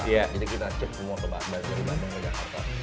jadi kita cip semua dari bandung ke jakarta